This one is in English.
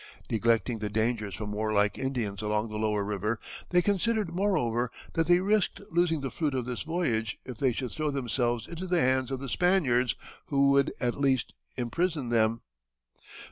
Neglecting the dangers from warlike Indians along the lower river, they considered, moreover, that they risked losing the fruit of this voyage if they should throw themselves into the hands of the Spaniards, who would at least imprison them.